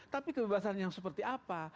tapi kebebasan yang seperti apa